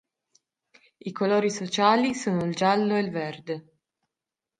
I colori sociali sono il giallo e il verde.